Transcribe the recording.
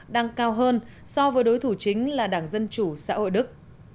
đang cao hơn so với đối thủ chính là đảng dân chủ xã hội đức